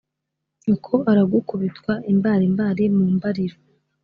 nyoko aragaku bitwa imbarimbari mu mbariro